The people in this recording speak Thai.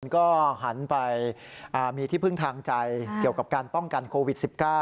ก็หันไปมีที่พึ่งทางใจเกี่ยวกับการป้องกันโควิด๑๙